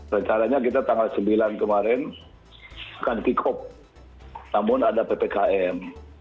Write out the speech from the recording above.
rencaranya kita tanggal sembilan kemarin bukan kikop namun ada ppkm